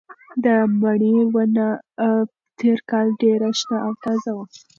د مڼې ونه تېر کال ډېره شنه او تازه وه.